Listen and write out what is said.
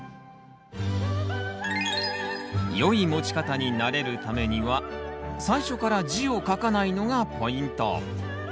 良い持ち方に慣れるためには最初から字を書かないのがポイント。